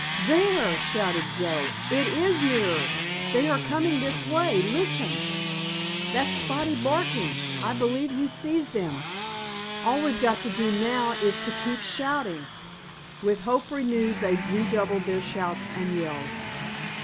"There!" shouted Joe, "it is nearer! They are coming this way. Listen! That's Spotty barking! I believe he sees them! All we've got to do now is to keep shouting." With hope renewed they redoubled their shouts and yells.